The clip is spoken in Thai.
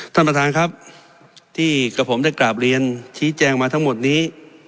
ท่านประธานครับที่กับผมได้กราบเรียนชี้แจงมาทั้งหมดนี้